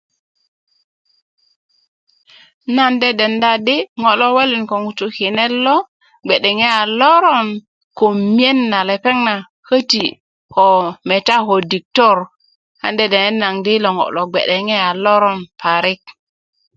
nan de denda di ŋo lo welun ko ŋutu kinet lo bge'deŋe a loron ko miyen na lepeŋ na köti ko meta ko diktor an de denden naŋ di yilo ŋo lo bge a loron parik